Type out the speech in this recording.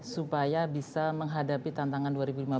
supaya bisa menghadapi tantangan dua ribu lima belas